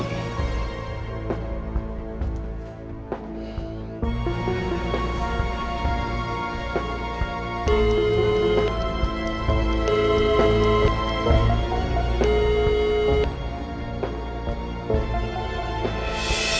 sampai jumpa di video selanjutnya